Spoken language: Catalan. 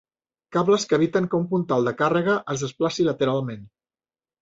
Cables que eviten que un puntal de càrrega es desplaci lateralment.